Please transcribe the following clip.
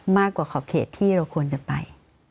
มากกว่าครอบครัวที่เราควรจะไป